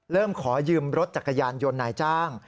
ขอยืมรถจักรยานยนต์นายจ้าง